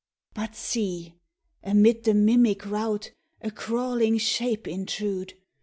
But see, amid the mimic routA crawling shape intrude!